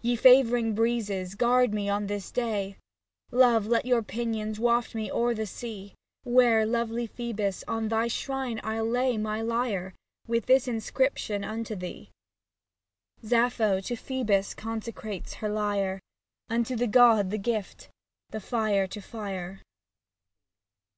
Ye favouring breezes, guard me on this day, Love, lend your pinions, waft me o'er the sea Where, lovely Phoebus, on thy shrine I'll lay My lyre, with this inscription unto thee :" Sappho to Phoebus consecrates her lyre, 75 SAPPHO TO PHAON Unto the God the gift, the fire to fire."